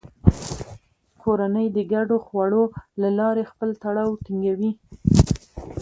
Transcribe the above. کورنۍ د ګډو خوړو له لارې خپل تړاو ټینګوي